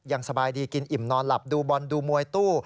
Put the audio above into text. ยังสบายดีกินอิ่มนอนหลับดูบอลดูมวยตู้